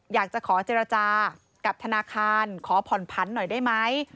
อยากจะขอเจรจากับธนาคารขอผ่อนผันหน่อยได้ไหม